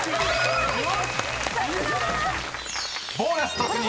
［ボーナス突入！］